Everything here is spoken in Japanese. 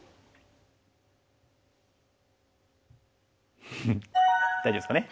フフッ大丈夫ですかね？